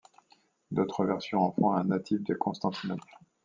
D'autres versions en font un natif de Constantinople.